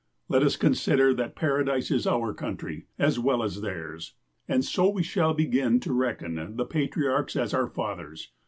Let us consider that Paradise is our country, as well as theirs ; and so we shall begin to reckon the patriarchs as our fathers.